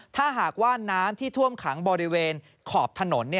ถ้าหากว่าน้ำที่ท่วมขังบริเวณขอบถนน